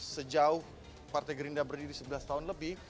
sejauh partai gerindra berdiri sebelas tahun lebih